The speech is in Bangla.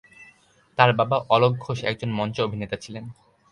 তার বাবা অলোক ঘোষ একজন মঞ্চ অভিনেতা ছিলেন।